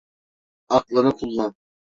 Aklını kullan.